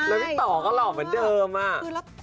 แล้วต่อก็เหล่าเหมือนเดิม